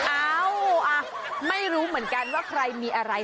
เอ้าไม่รู้เหมือนกันว่าใครมีอะไร